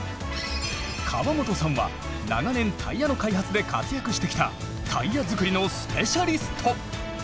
川本さんは長年タイヤの開発で活躍してきたタイヤ作りのスペシャリスト。